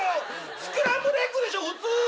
スクランブルエッグでしょ普通！